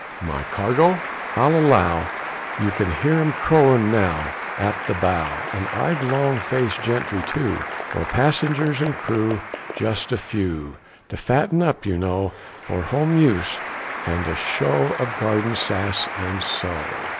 "My cargo? I'll allow You can hear 'em crowin' now, At the bow. "And I've long faced gentry too, For passengers and crew, Just a few, "To fatten up, you know, For home use, and a show Of garden sass and so.